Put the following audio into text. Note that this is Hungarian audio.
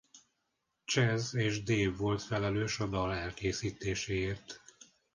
Chas és Dave volt felelős a dal elkészítéséért.